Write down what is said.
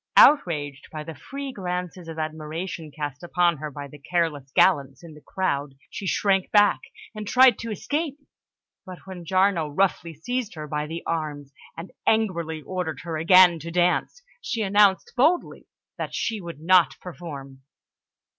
Outraged by the free glances of admiration cast upon her by the careless gallants in the crowd, she shrank back and tried to escape, and when Giarno roughly seized her by the arms and angrily ordered her again to dance, she announced boldly that she would not perform.